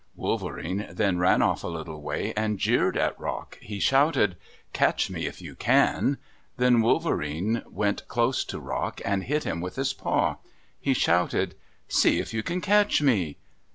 Wolverene then ran off a little way and jeered at Rock. He shouted, "Catch me if you can!" Then Wolverene went close to Rock and hit him with his paw. He shouted, "See if you can catch me."